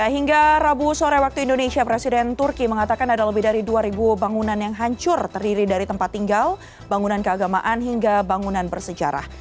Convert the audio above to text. hingga rabu sore waktu indonesia presiden turki mengatakan ada lebih dari dua bangunan yang hancur terdiri dari tempat tinggal bangunan keagamaan hingga bangunan bersejarah